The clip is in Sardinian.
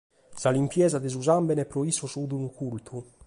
Sa limpiesa de su sàmbene pro issos fiat unu cultu.